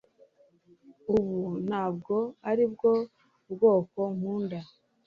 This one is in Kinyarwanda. Ubu ntabwo aribwo bwoko nkunda